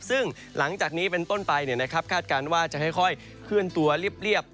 ซึ่งหลังจากนี้เป็นต้นไปคาดการณ์ว่าจะค่อยเคลื่อนตัวเรียบ